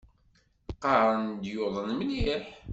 Qqaren-d yuḍen mliḥ.